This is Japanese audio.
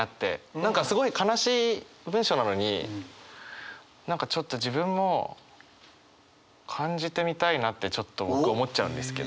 何かすごい悲しい文章なのに何かちょっと自分も感じてみたいなってちょっと僕は思っちゃうんですけど。